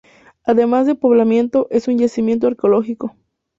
Además de poblamiento es un yacimiento arqueológico.